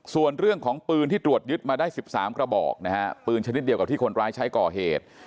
ส่วนเรื่องของปืนที่ตรวจยึดมาได้๑๓กระบอกนะฮะปืนชนิดเดียวกับที่คนร้ายใช้ก่อเหตุ